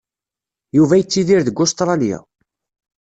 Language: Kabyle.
Yuba yettidir deg Ustṛalya.